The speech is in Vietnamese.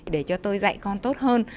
để cho tôi dạy con tốt hơn